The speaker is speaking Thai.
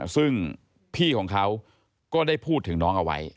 ซึ่งพี่ของเขาก็ได้พูดถึงน้องเอาไว้